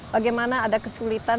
bagaimana ada kesulitan